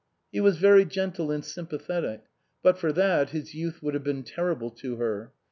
He was very gentle and sym pathetic ; but for that his youth would have been terrible to her.